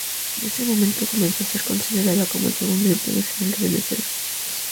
Desde ese momento, comenzó a ser considerada como el segundo Himno Nacional de Venezuela.